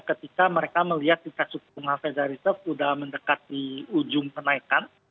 ketika mereka melihat kita suku bunga federal reserve sudah mendekat di ujung penaikan